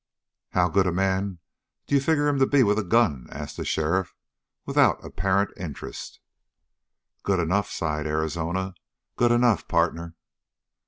"How good a man d'you figure him to be with a gun?" asked the sheriff without apparent interest. "Good enough," sighed Arizona. "Good enough, partner!"